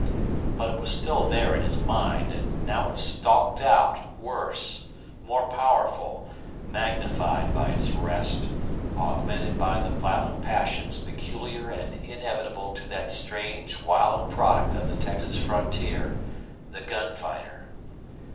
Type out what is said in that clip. But it was still there in his mind, and now it stalked out, worse, more powerful, magnified by its rest, augmented by the violent passions peculiar and inevitable to that strange, wild product of the Texas frontier the gun fighter.